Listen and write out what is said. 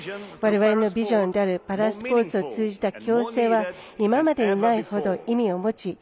我々のビジョンであるパラスポーツを通じた共生は今までにないほど意味を持ち